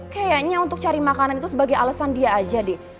kayaknya untuk cari makanan itu sebagai alasan dia aja deh